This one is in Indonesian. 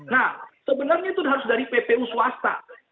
nah sebenarnya itu harus dari ppu swasta